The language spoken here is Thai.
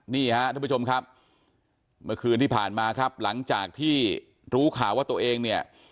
นี่ฮะทุกผู้ชมครับเมื่อคืนที่ผ่านมาครับหลังจากที่รู้ข่าวว่าตัวเองเนี่ย